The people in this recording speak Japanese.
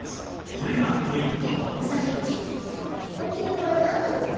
これがポイント。